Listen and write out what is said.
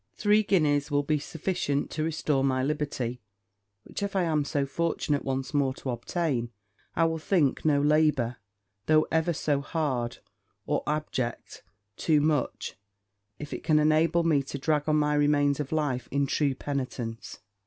Three guineas will be sufficient to restore my liberty; which, if I am so fortune once more to obtain, I will think no labour, though ever so hard or abject, too much, if it can enable me to drag on my remains of life in true penitence.